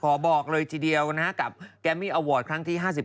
ขอบอกเลยทีเดียวกันนะครับกับแกมมี่อาวอร์ดครั้งที่๕๙